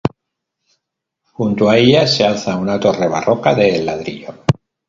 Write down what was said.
Junto a ella se alza una torre barroca de ladrillo.